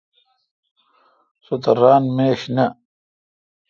سو تہ ران میش نہ۔